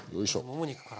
もも肉から。